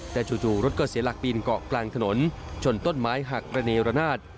แต่จู่รถก็เสียหลักปีนเกาะกลางถนนชนต้นไม้หักระเนรนาศ